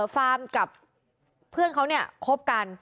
ฟาร์มกับเพื่อนเขาเนี่ยคบกัน